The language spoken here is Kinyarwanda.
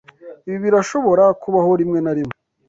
Ibi birashobora kubaho rimwe na rimwe.